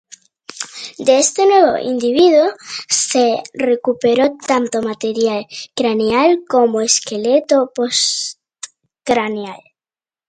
De este nuevo individuo se recuperó tanto material craneal como esqueleto postcraneal.